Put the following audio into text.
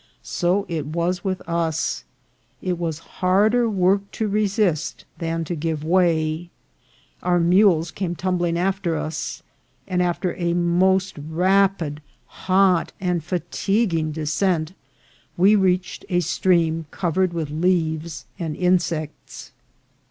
So it was with us. It was harder work to resist than to give way. Our mules came tumbling after us ; and after a most rapid, hot, and fatiguing descent, we reached a stream covered with leaves and insects.